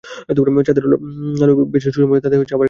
চাঁদের আলোয় ভেসে সুসময় আসে, তাতে আবার একটা মায়াবী বিভ্রমও তৈরি হয়।